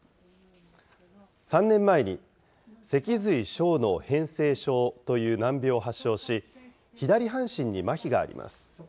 ３年前に、脊髄小脳変性症という難病を発症し、左半身にまひがあります。